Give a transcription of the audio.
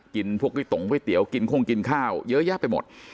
พวกก๋วยตงก๋วยเตี๋ยวกินโค้งกินข้าวเยอะแยะไปหมด